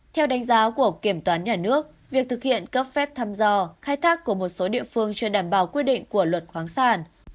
theo đánh giá của kiểm toán nhà nước việc thực hiện cấp phép thăm dò khai thác của một số địa phương chưa đảm bảo quy định của luật khoáng sản